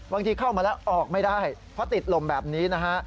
เข้ามาแล้วออกไม่ได้เพราะติดลมแบบนี้นะฮะ